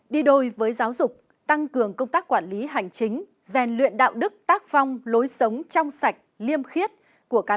đi đôi với giáo dục tăng cường công tác quản lý hành chính rèn luyện đạo đức tác phong lối xử